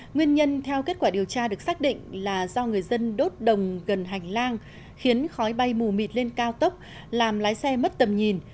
nguyên nhân theo kết quả điều tra được xác định là do người dân đốt đồng gần hành lang khiến khói bay mù mịt lên cao tốc làm lái xe mất tầm nhìn